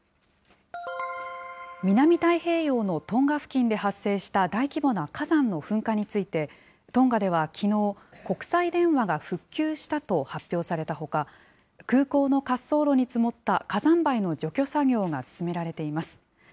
南太平洋のトンガ付近で発生した大規模な火山の噴火について、トンガではきのう、国際電話が復旧したと発表されたほか、空港の滑走路に積もった火山灰の除去作業が進められています。